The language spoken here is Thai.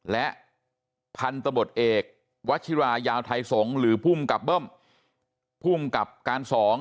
และพันตำรวจเอกวัชิวายาวไทยสงฯหรือพุ่มกลับเบิ้มพุ่มกลับการ๒